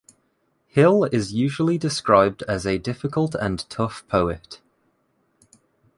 Hill is usually described as a difficult and tough poet.